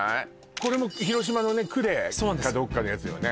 これも広島のね呉かどっかのやつよね？